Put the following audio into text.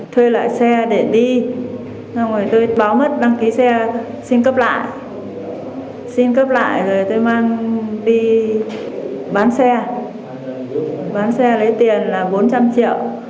tôi đi bán xe bán xe lấy tiền là bốn trăm linh triệu